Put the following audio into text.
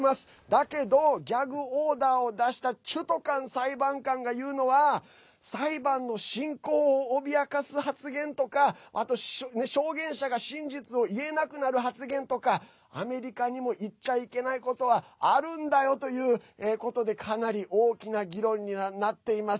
だけど、ギャグオーダーを出したチュトカン裁判官が言うのは裁判の進行を脅かす発言とか証言者が真実を言えなくなる発言とかアメリカにも言っちゃいけないことはあるんだよということでかなり大きな議論になっています。